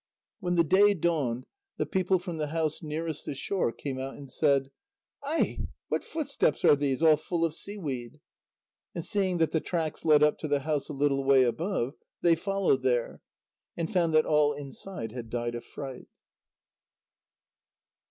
When the day dawned, the people from the house nearest the shore came out and said: "Ai! What footsteps are these, all full of seaweed?" And seeing that the tracks led up to the house a little way above, they followed there, and found that all inside had died of fright.